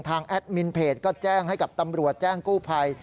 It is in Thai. แอดมินเพจก็แจ้งให้กับตำรวจแจ้งกู้ภัย